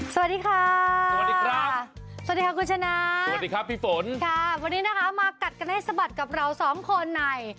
สวัสดีครับสวัสดีครับวันนี้นี้กัดกันให้สะบัดกับเราสองคนใน